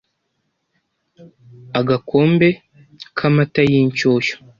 agakombe k’amata y’inshyushyu,